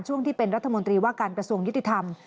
ช่วงที่เป็นรัฐมนตรีว่าการกระทรวงยุติธรรม